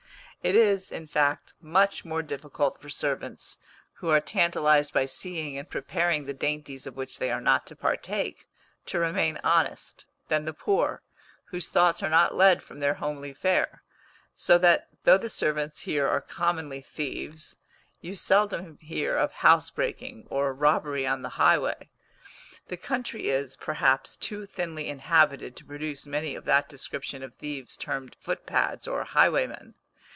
It is, in fact, much more difficult for servants, who are tantalised by seeing and preparing the dainties of which they are not to partake, to remain honest, than the poor, whose thoughts are not led from their homely fare; so that, though the servants here are commonly thieves, you seldom hear of housebreaking, or robbery on the highway. The country is, perhaps, too thinly inhabited to produce many of that description of thieves termed footpads, or highwaymen.